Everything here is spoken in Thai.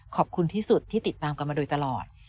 ขอบคุณที่สุดที่ติดตามกันมาโดยตลอด